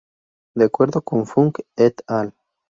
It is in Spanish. De acuerdo con Funk "et al.